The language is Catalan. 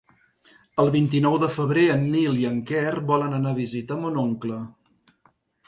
El vint-i-nou de febrer en Nil i en Quer volen anar a visitar mon oncle.